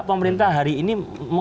pemerintah hari ini